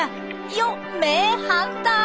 よっ名ハンター！